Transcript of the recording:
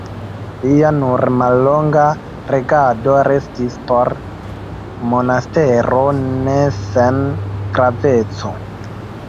Lia nur mallonga regado restis por Monastero ne sen graveco.